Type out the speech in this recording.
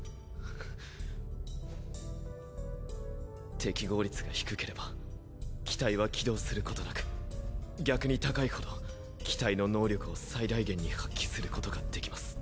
適合率が低ければ機体は起動することなく逆に高いほど機体の能力を最大限に発揮することができます。